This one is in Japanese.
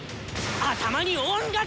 頭に音楽！